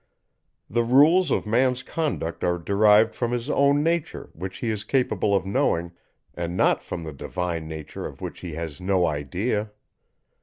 The rules of Man's conduct are derived from his own nature which he is capable of knowing, and not from the Divine nature of which he has no idea.